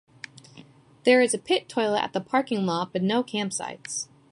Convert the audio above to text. There is a pit toilet at the parking lot but no campsites.